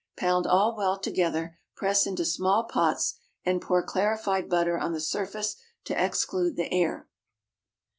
Pound all well together, press into small pots, and pour clarified butter on the surface to exclude the air.